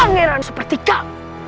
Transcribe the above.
pangeran seperti kau